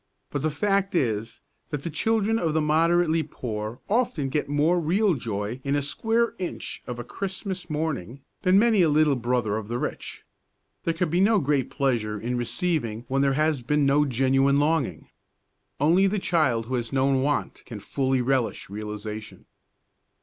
But the fact is, that the children of the moderately poor often get more real joy to a square inch of a Christmas morning than many a little brother of the rich. There can be no great pleasure in receiving when there has been no genuine longing. Only the child who has known want can fully relish realisation.